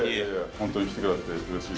本当に来てくれて、うれしい。